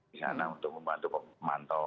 di sana untuk membantu pemantau